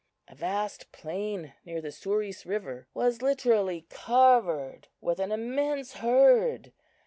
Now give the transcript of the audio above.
"A vast plain near the Souris river was literally covered with an immense herd.